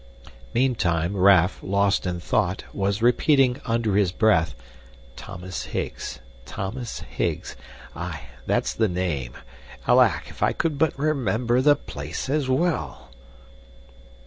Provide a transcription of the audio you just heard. Meantime, Raff, lost in thought, was repeating, under his breath, "Thomas Higgs, Thomas Higgs, aye, that's the name. Alack! if I could but remember the place as well."